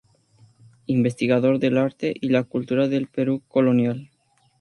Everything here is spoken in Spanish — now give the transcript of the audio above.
Investigador del arte y la cultura del Perú colonial.